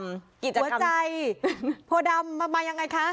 หัวใจโพดำมายังไงคะ